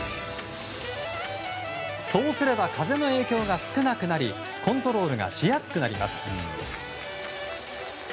そうすれば風の影響が少なくなりコントロールがしやすくなります。